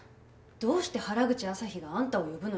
どうして原口朝陽があんたを呼ぶのよ。